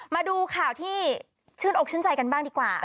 มาดูข่าวที่ชื่นอกชื่นใจกันบ้างดีกว่า